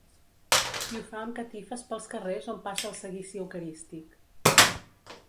I ho fa amb catifes pels carrers on passa el seguici eucarístic.